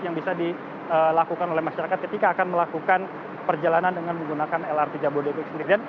yang bisa dilakukan oleh masyarakat ketika akan melakukan perjalanan dengan menggunakan lrt jabodetabek sendiri